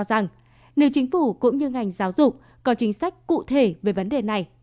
rằng nếu chính phủ cũng như ngành giáo dục có chính sách cụ thể về vấn đề này